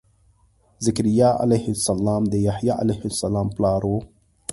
ذکریا علیه السلام د یحیا علیه السلام پلار و.